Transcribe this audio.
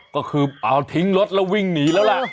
ก็คือเอาทิ้งรถแล้ววิ่งหนีแล้วล่ะ